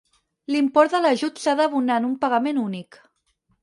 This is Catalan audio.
L'import de l'ajut s'ha d'abonar en un pagament únic.